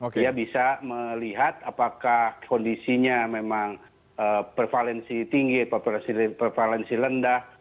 dia bisa melihat apakah kondisinya memang prevalensi tinggi prevalensi rendah